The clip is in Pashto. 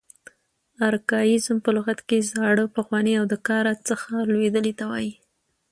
ارکاییزم په لغت کښي زاړه، پخواني او د کاره څخه لوېدلي ته وایي.